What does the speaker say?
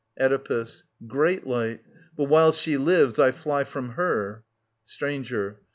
Oedipus. Great light ; but while she lives I fly from her. Stranger.